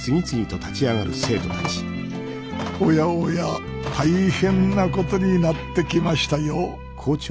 おやおや大変なことになってきましたよ